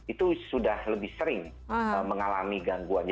itu sudah lebih sering mengalami gangguan